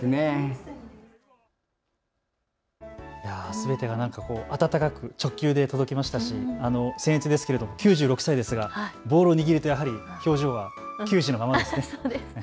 すべてが温かく直球で届きましたしせんえつですけれど９６歳ですがボールを握るとやはり表情は球児のままですね。